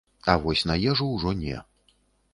А вось на ежу ўжо не.